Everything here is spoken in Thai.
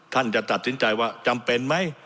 ท่านจะตัดสินใจว่าจำเป็นไหม